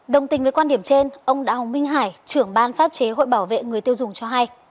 đồng tình với quan điểm trên ông đào minh hải trưởng ban pháp chế hội bảo vệ người tiêu dùng cho hay